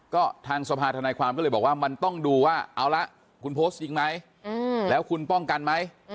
ก็ทางสภาธนายความก็เลยบอกว่ามันต้องดูว่าเอาละคุณโพสต์จริงไหมแล้วคุณป้องกันไหม